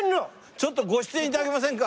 ちょっとご出演頂けませんか？